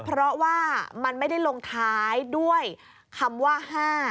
เพราะว่ามันไม่ได้ลงท้ายด้วยคำว่า๕